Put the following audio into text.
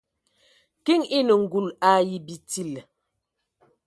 Kiŋ enə ngul ai bitil.